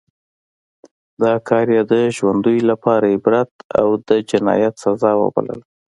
دا کار یې د ژوندیو لپاره عبرت او د جنایت سزا وبلله.